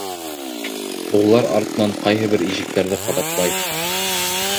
Ололар артынан ҡайһы бер ижектәрҙе ҡабатлай.